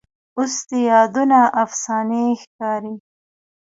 اوس دي یادونه افسانې ښکاري